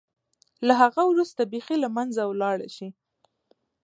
له هغه وروسته بېخي له منځه ولاړه شي.